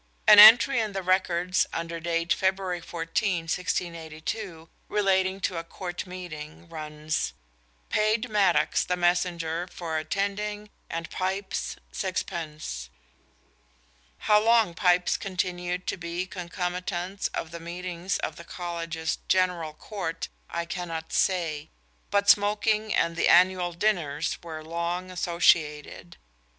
An entry in the records under date February 14, 1682, relating to a Court Meeting, runs: "Paid Maddocks [the Messenger] for Attendinge and Pipes 6d." How long pipes continued to be concomitants of the meetings of the College's General Court I cannot say; but smoking and the annual dinners were long associated.